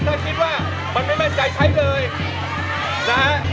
ถ้าคิดว่ามันไม่มั่นใจใช้เลยนะฮะ